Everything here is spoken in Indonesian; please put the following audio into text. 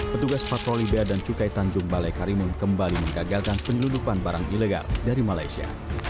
petugas patroli bea dan cukai tanjung balai karimun kembali menggagalkan penyelundupan barang ilegal dari malaysia